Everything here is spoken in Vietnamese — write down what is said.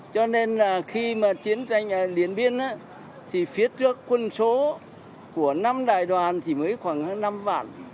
chiến tranh điện biên thì phía trước quân số của năm đại đoàn thì mới khoảng hơn năm vạn